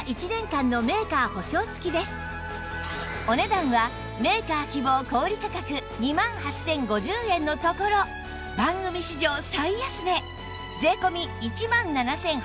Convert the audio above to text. お値段はメーカー希望小売価格２万８０５０円のところ番組史上最安値税込１万７８００円